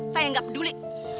saya nggak peduli